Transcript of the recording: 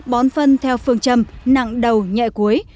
bón phân theo phương châm nặng đầu nhẹ cuối